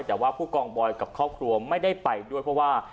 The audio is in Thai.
แต่ว่าผู้กองบอยกับครอบครัวไม่ได้ไปด้วยเพราะว่า